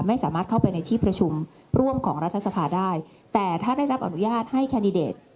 ไม่สามารถเข้าไปในที่ประชุมร่วมของรัฐสภาได้แต่ถ้าได้รับอนุญาตให้แคนดิเดต